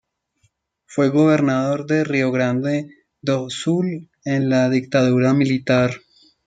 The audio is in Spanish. Fue gobernador de Rio Grande do Sul en la dictadura militar.